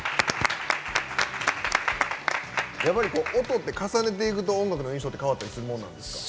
やっぱり音って重ねていくと音楽の印象って変わったりするもんなんですか？